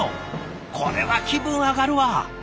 これは気分上がるわ！